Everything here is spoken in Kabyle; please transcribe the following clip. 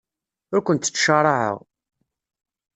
Ur kent-ttcaṛaɛeɣ.